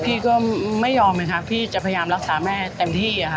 พี่ก็ไม่ยอมพี่จะพยายามรักษาแม่แท่มที่